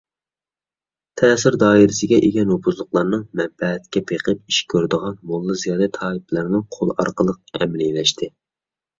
تەسىر دائىرىسىگە ئىگە نوپۇزلۇقلارنىڭ، مەنپەئەتكە بېقىپ ئىش كۆرىدىغان موللا - زىيالىي تائىپىلەرنىڭ قولى ئارقىلىق ئەمەلىيلەشتى.